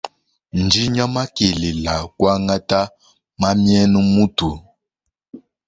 Ndinya makelela kwangata mamienu mutu.